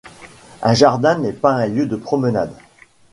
Un jardin n'est pas un lieu de promenade!.